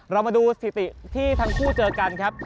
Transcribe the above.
เรามาดูสถิติที่ทั้งคู่เจอกันครับ